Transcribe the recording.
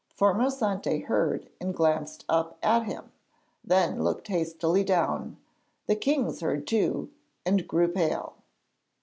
Formosante heard and glanced up at him; then looked hastily down. The kings heard too, and grew pale.